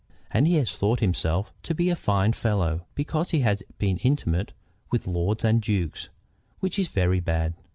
And he has thought himself to be a fine fellow because he has been intimate with lords and dukes, which is very bad.